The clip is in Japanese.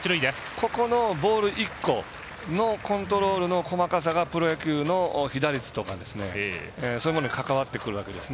ここのボール１個のコントロールの細かさがプロ野球の被打率とかそういうものに関わってくるわけです。